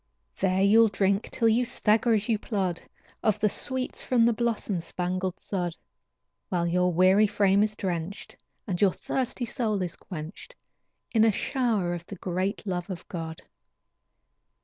There you'll drink till you stagger as you plod, Of the sweets from the blossom spangled sod, While your weary frame is drenched, And your thirsty soul is quenched, In a shower of the great love of God.